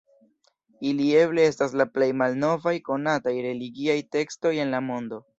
Ili eble estas la plej malnovaj konataj religiaj tekstoj en la mondo.